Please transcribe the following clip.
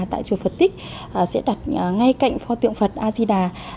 tại chùa phật tích sẽ đặt ngay cạnh phò tượng phật azida